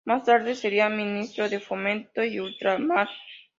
Más tarde sería ministro de Fomento y Ultramar.